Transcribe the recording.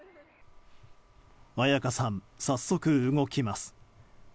綾香さん、早速動きます。